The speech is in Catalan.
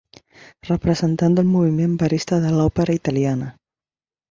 Representant del moviment Verista de l'òpera italiana.